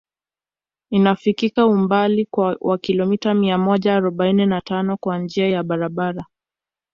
Inafikika umbali wa kilomita mia moja arobaini na tano kwa njia ya barabara